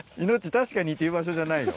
「確かに」って言う場所じゃないよ。